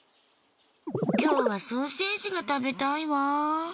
今日はソーセージが食べたいわ。